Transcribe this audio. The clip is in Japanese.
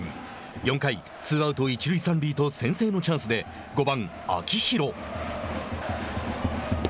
４回ツーアウト、一塁三塁と先制のチャンスで５番秋広。